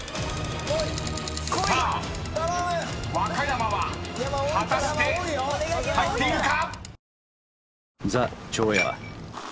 ［さあ和歌山は果たして入っているか⁉］